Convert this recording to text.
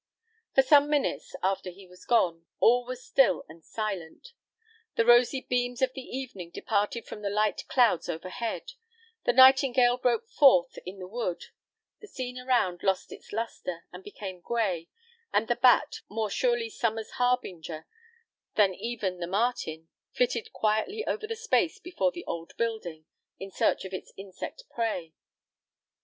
For some minutes after he was gone, all was still and silent. The rosy beams of the evening departed from the light clouds overhead; the nightingale broke forth in the wood; the scene around lost its lustre, and became gray; and the bat, more surely summer's harbinger even than the martin, flitted quietly over the space before the old building, in search of its insect prey.